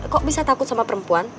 kok bisa takut sama perempuan